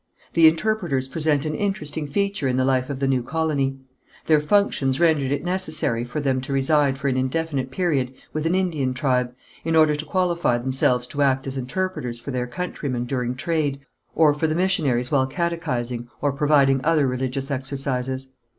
The interpreters present an interesting feature in the life of the new colony. Their functions rendered it necessary for them to reside for an indefinite period with an Indian tribe, in order to qualify themselves to act as interpreters for their countrymen during trade, or for the missionaries while catechising or providing other religious exercises.